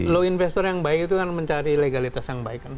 law investor yang baik itu kan mencari legalitas yang baik